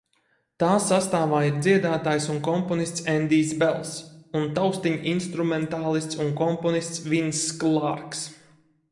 Tā sastāvā ir dziedātājs un komponists Endijs Bels un taustiņinstrumentālists un komponists Vinss Klārks.